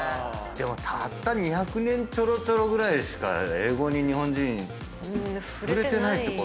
でもたった２００年ちょろちょろぐらいしか英語に日本人触れてないってこと？